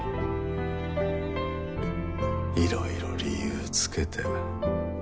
いろいろ理由つけて。